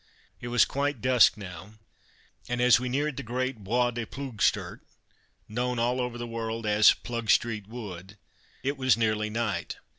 It was quite dusk now, and as we neared the great Bois de Ploegstert, known all over the world as "Plugstreet Wood," it was nearly night.